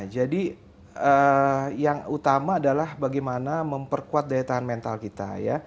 jadi yang utama adalah bagaimana memperkuat daya tahan mental kita